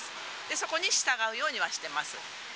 そこに従うようにはしてます。